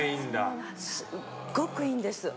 すっごくいいんです。